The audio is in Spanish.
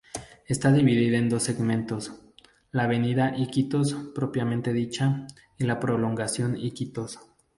Está dividida en dos segmentos: la avenida Iquitos propiamente dicha y la prolongación Iquitos.